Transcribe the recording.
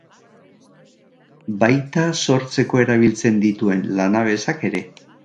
Baita sortzeko erabiltzen dituen lanabesak ere.